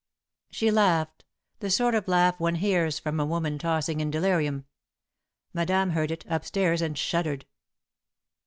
She laughed the sort of laugh one hears from a woman tossing in delirium. Madame heard it, up stairs, and shuddered.